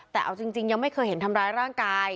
แต่เอาจริงยังไม่เคยเห็นทำร้ายร่างกาย